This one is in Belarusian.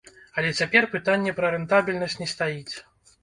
Але цяпер пытанне пра рэнтабельнасць не стаіць.